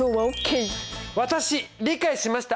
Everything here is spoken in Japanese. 私理解しました！